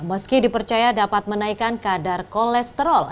meski dipercaya dapat menaikkan kadar kolesterol